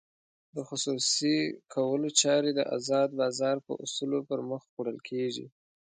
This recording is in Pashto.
د خصوصي کولو چارې د ازاد بازار په اصولو پرمخ وړل کېږي.